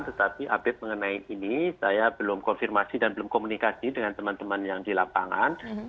tetapi update mengenai ini saya belum konfirmasi dan belum komunikasi dengan teman teman yang di lapangan